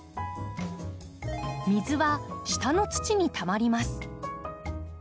水は下の土にたまります。